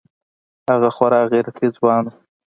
هغه خورا غيرتي ځوان و.